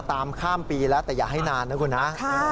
ตามข้ามปีแล้วแต่อย่าให้นานนะคุณฮะ